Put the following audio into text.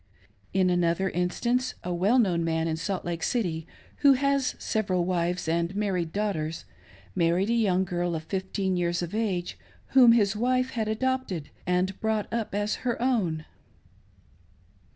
In another instance, a well known man in Salt Lake City, who has several wives and married daughters, married a young girl of fifteen years of age whom his wife had adopted and brought up as her own.